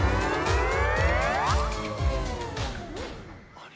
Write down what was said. あれ？